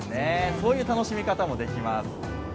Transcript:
そういう楽しみ方もできます。